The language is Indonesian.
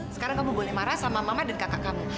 sekarang kamu boleh marah sama mama dan kakak kamu